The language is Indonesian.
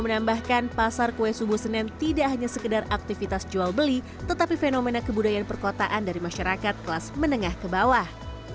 menambahkan pasar kue subuh senen tidak hanya sekedar aktivitas jual beli tetapi fenomena kebudayaan perkotaan dari masyarakat kelas menengah ke bawah